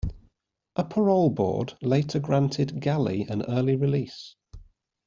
A parole board later granted Galli an early release.